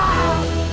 aku mau ke sana